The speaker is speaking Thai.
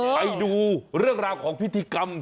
ไปดูเรื่องราวของพิธีกรรม